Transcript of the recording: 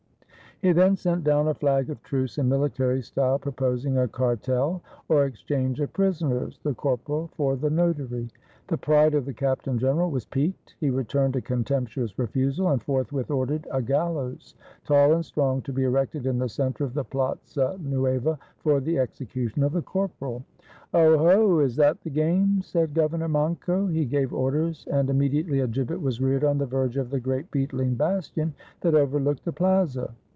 He then sent down a flag of truce in military style, proposing a cartel, or exchange of prisoners, — the cor poral for the notary. The pride of the captain general was piqued; he returned a contemptuous refusal, and forthwith ordered a gallows, tall and strong, to be erected in the center of the Plaza Nueva for the execu tion of the corporal. "Oho! is that the game?" said Governor Manco. He gave orders, and immediately a gibbet was reared on the verge of the great beetHng bastion that overlooked the Plaza.